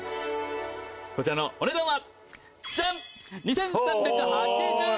こちらのお値段はジャン！